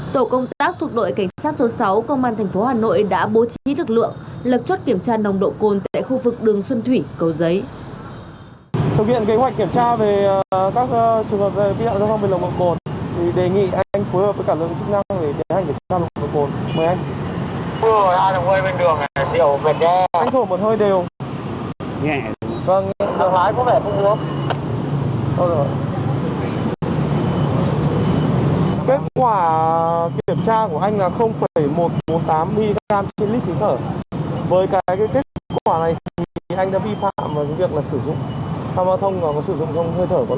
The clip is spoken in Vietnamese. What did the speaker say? tổ công tác thuộc đội cảnh sát số sáu công an thành phố hà nội đã bố trí lực lượng